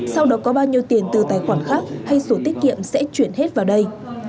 sau đó có bao nhiêu tiền từ tài khoản khác hay sổ tiết kiệm sẽ chuyển hết vào đây